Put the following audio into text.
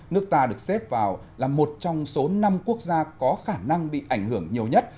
nước ta được xếp vào là một trong số năm quốc gia có khả năng bị ảnh hưởng nhiều nhất